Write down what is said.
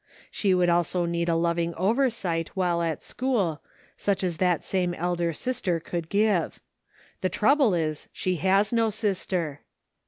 She would also need a loving oversight while at school, such as that same older sister could give. The trouble is, she has no sister."